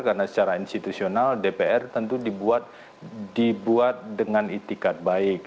karena secara institusional dpr tentu dibuat dengan itikat baik